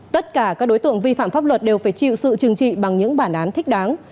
tất cả các đối tượng vi phạm pháp luật đều phải chịu sự trừng trị bằng những bản án thích đáng